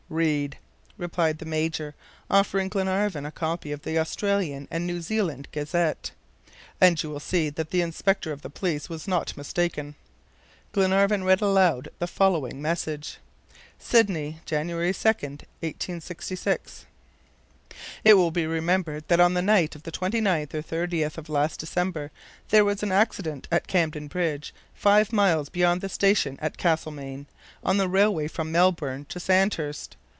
"Read," replied the Major, offering Glenarvan a copy of the Australian and New Zealand Gazette, "and you will see that the inspector of the police was not mistaken." Glenarvan read aloud the following message: SYDNEY, Jan. 2, 1866. It will be remembered that on the night of the 29th or 30th of last December there was an accident at Camden Bridge, five miles beyond the station at Castlemaine, on the railway from Melbourne to Sandhurst.